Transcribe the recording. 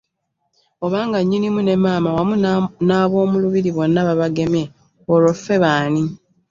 Obanga Nnyinimu ne Maama wamu n'abomulubiri bonna babagemye olwo ffe baani.